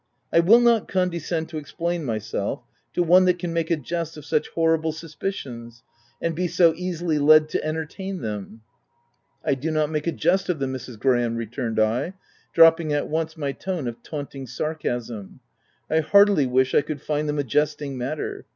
" I will not condescend to explain my self to one that can make a jest of such horrible suspicions, and be so easily led to entertain them.' ," I do not make a jest of them, Mrs. Gra ham," returned I, dropping at once, my tone of taunting sarcasm. (i I heartily wish I could find them a jesting matter